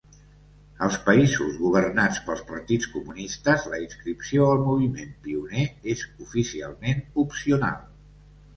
Als països governats pels partits comunistes, la inscripció al moviment pioner és oficialment opcional.